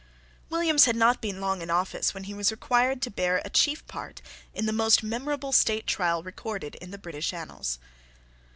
Williams had not been long in office when he was required to bear a chief part in the most memorable state trial recorded in the British annals.